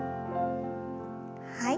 はい。